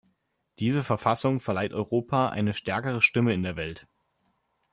Diese Verfassung verleiht Europa eine stärkere Stimme in der Welt.